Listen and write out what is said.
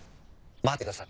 待ってください！